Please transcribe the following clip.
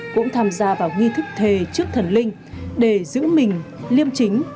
cũng tham gia vào nghi thức thề trước thần linh để giữ mình liêm chính